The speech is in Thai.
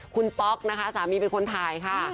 คุณป๊อกสามีเป็นคนไทยค่ะ